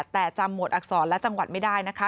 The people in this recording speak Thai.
แต่จำหมวดอักษรและจังหวัดไม่ได้นะคะ